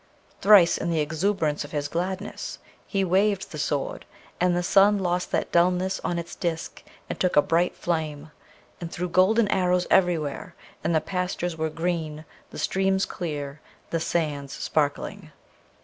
Thrice, in the exuberance of his gladness, he waved the Sword, and the sun lost that dulness on its disk and took a bright flame, and threw golden arrows everywhere; and the pastures were green, the streams clear, the sands sparkling.